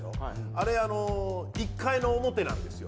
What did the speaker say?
あれ１回の表なんですよ。